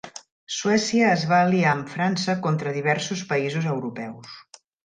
Suècia es va aliar amb França contra diversos països europeus.